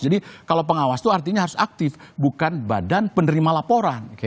jadi kalau pengawas itu artinya harus aktif bukan badan penerima laporan